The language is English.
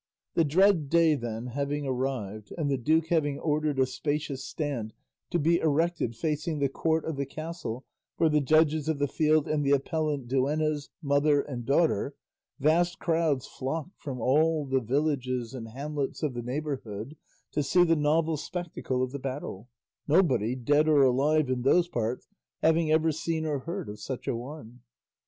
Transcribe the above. The dread day, then, having arrived, and the duke having ordered a spacious stand to be erected facing the court of the castle for the judges of the field and the appellant duennas, mother and daughter, vast crowds flocked from all the villages and hamlets of the neighbourhood to see the novel spectacle of the battle; nobody, dead or alive, in those parts having ever seen or heard of such a one.